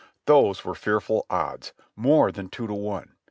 Those were fearful odds, more than tzuo to one!